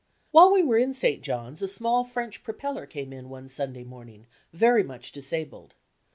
While we were in St. John's a small French propeller came in one Sunday morning very much disabled.